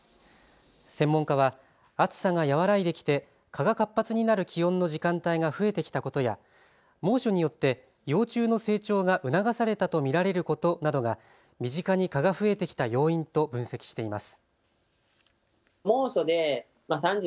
専門家は、暑さが和らいできて蚊が活発になる気温の時間帯が増えてきたことや猛暑によって幼虫の成長が促されたと見られることなどが身近に蚊が増えてきた要因と分析しています。